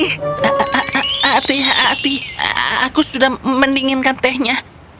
hati hati aku sudah mendinginkan tehnya